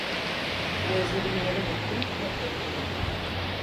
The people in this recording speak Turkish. Gözlerimi yere diktim ve bekledim.